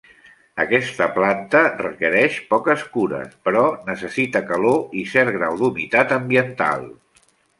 Aquesta planta requereix poques cures, però necessita calor i cert grau d'humitat ambiental.